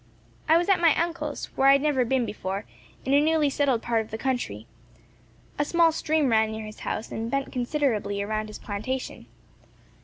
"I was at my uncle's, where I had never been before, in a newly settled part of the country. A small stream ran near his house, and bent considerably around his plantation.